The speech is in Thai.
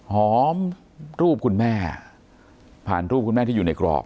หอมรูปคุณแม่ผ่านรูปคุณแม่ที่อยู่ในกรอบ